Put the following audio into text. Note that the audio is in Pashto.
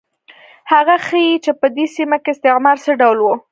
هغه ښيي چې په دې سیمه کې استعمار څه ډول و.